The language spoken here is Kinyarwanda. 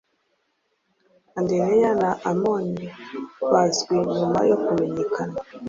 Andereya na imoni, bazwi nyuma yo kumenyekana